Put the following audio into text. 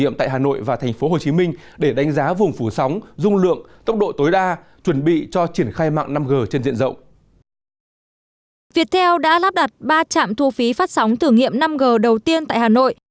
việt theo đã lắp đặt ba trạm thu phí phát sóng thử nghiệm năm g đầu tiên tại hà nội